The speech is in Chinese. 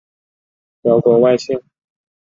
辽国外戚。